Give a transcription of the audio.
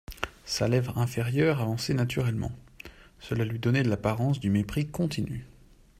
Sa lèvre inférieure avançait naturellement: cela lui donnait l'apparence du mépris continu.